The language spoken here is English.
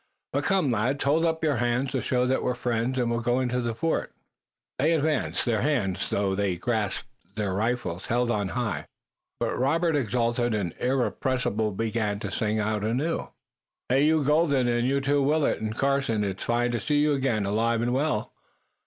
"But come, lads, hold up your hands to show that we're friends, and we'll go into the fort." They advanced, their hands, though they grasped rifles, held on high, but Robert, exalted and irrepressible, began to sing out anew: "Hey, you, Colden! And you, too, Wilton and Carson! It's fine to see you again, alive and well."